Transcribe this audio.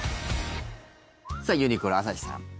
さあ、ユニクロ朝日さん。